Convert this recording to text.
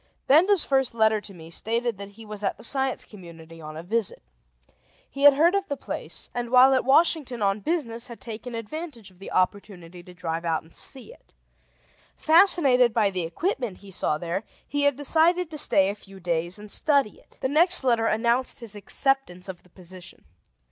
Benda's first letter to me stated that he was at the Science Community on a visit. He had heard of the place, and while at Washington on business had taken advantage of the opportunity to drive out and see it. Fascinated by the equipment he saw there, he had decided to stay a few days and study it. The next letter announced his acceptance of the position.